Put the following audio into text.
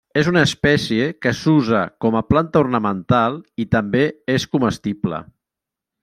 És una espècie que s'usa com a planta ornamental, i també és comestible.